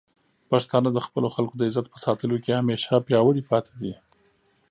پښتانه د خپلو خلکو د عزت په ساتلو کې همیشه پیاوړي پاتې دي.